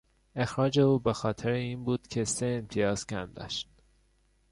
اخراج او به خاطر این بود که سه امتیاز کم داشت.